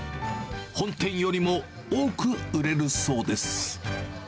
本店よりも多く売れるそうです。